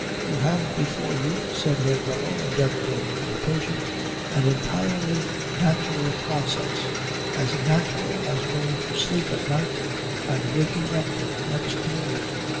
"You have before you," said Herr Dremmel, endeavouring to be patient, "an entirely natural process, as natural as going to sleep at night and waking up next morning."